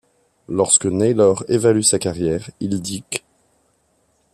Lorsque Naylor évalue sa carrière, il dit qu’.